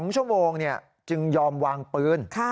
๒ชั่วโมงจึงยอมวางปืน